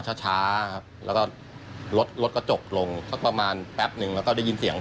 เขาก็ช่วยกันลากเพื่อนเขาหลบนิดนึง